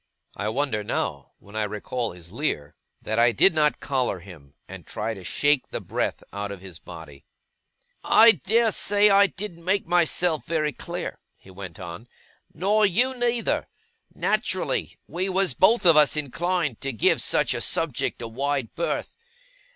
I wonder now, when I recall his leer, that I did not collar him, and try to shake the breath out of his body. 'I dare say I didn't make myself very clear,' he went on, 'nor you neither. Naturally, we was both of us inclined to give such a subject a wide berth.